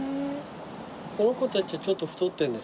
この子たちはちょっと太ってるんですか？